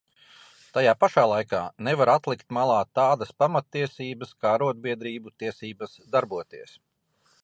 Tajā pašā laikā nevar atlikt malā tādas pamattiesības kā arodbiedrību tiesības darboties.